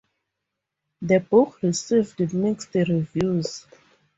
The book received mixed reviews.